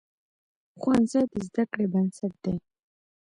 ښوونځی د زده کړې بنسټ دی.